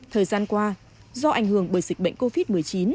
thời gian qua do ảnh hưởng bởi dịch bệnh covid một mươi chín